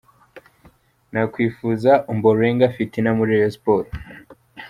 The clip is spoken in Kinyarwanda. Nakwifuza Ombolenga Fitina muri Rayon Sports’.